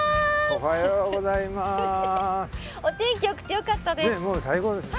お天気よくてよかったです。